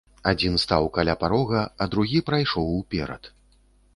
Адзін стаў каля парога, а другі прайшоў уперад.